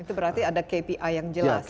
itu berarti ada kpi yang jelas